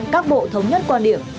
các bộ thống nhất quan điểm